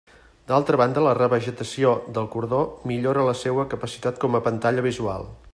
D'altra banda, la revegetació del cordó millora la seua capacitat com a pantalla visual.